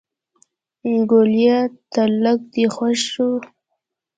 ګوليه تلک دې خوښ شو.